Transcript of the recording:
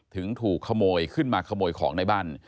ถึงถูกขโมยขึ้นมาขโมยของในบ้าน